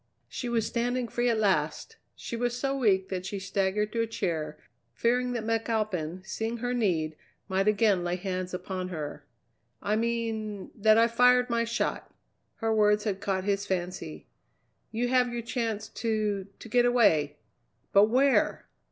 She was standing free at last! She was so weak that she staggered to a chair, fearing that McAlpin, seeing her need, might again lay hands upon her. "I mean that I've fired my shot!" Her words had caught his fancy. "You have your chance to to get away! But where?